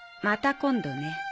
また今度ね。